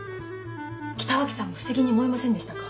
北脇さんも不思議に思いませんでしたか？